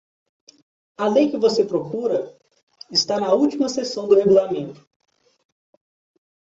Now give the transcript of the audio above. A lei que você procura está na última seção do regulamento.